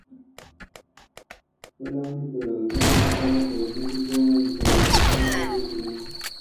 Tyler fue invitada a Londres para grabar dos demos.